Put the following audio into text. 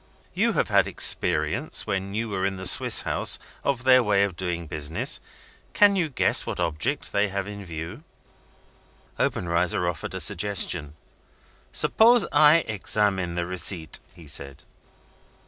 You have had experience, when you were in the Swiss house, of their way of doing business. Can you guess what object they have in view?" Obenreizer offered a suggestion. "Suppose I examine the receipt?" he said.